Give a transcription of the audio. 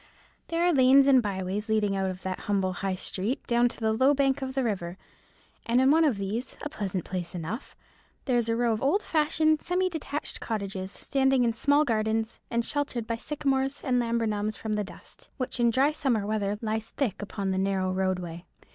There are lanes and byways leading out of that humble High Street down to the low bank of the river; and in one of these, a pleasant place enough, there is a row of old fashioned semi detached cottages, standing in small gardens, and sheltered by sycamores and laburnums from the dust, which in dry summer weather lies thick upon the narrow roadway.